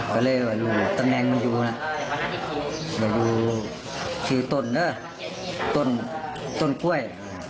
ก็เลยว่าลูกตะแมงมันอยู่นะอยู่ชื่อตนตนกล้วย